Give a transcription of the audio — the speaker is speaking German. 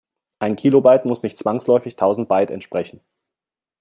Ein Kilobyte muss nicht zwangsläufig tausend Byte entsprechen.